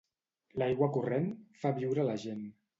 L'aigua corrent fa viure la gent.